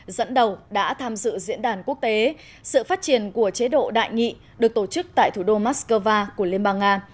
dẫn đầu đã tham dự diễn đàn quốc tế sự phát triển của chế độ đại nghị được tổ chức tại thủ đô moscow của liên bang nga